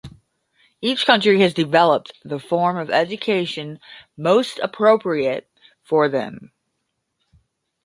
Each country has developed the form of education most appropriate for them.